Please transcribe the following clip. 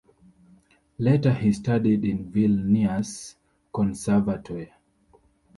Later he studied in Vilnius Conservatoire.